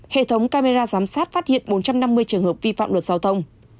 hệ thống camera giám sát phát hiện bốn trăm năm mươi trường hợp vi phạm luật giao thông